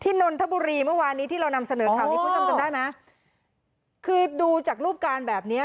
นนทบุรีเมื่อวานนี้ที่เรานำเสนอข่าวนี้คุณผู้ชมจำได้ไหมคือดูจากรูปการณ์แบบเนี้ย